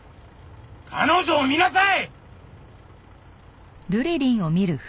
彼女を見なさい！